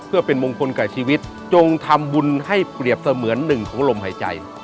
เพื่อเป็นมงคลกับชีวิตจงทำบุญให้เปรียบเสมือนหนึ่งของลมหายใจ